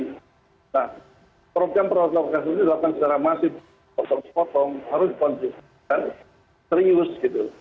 nah program protokol kesehatan ini dilakukan secara masif potong sepotong harus konsisten serius gitu